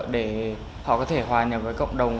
để họ có thể hòa nhập với cộng đồng